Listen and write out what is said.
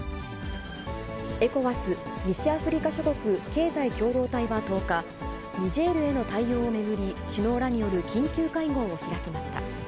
エコワス・西アフリカ諸国経済共同体は１０日、ニジェールへの対応を巡り、首脳らによる緊急会合を開きました。